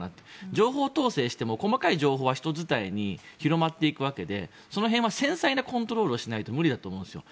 情報統制しても細かい情報は人伝いに広まっていくわけでその辺は繊細なコントロールをしないと無理だと思うんですよ。